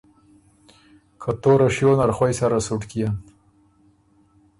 که توره شیو نر خوئ سره سُټ کيېن،